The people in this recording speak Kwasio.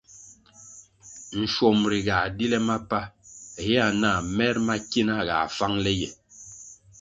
Nschuomri ga di le mapa héa nah mer ma kina ga fáng le ye.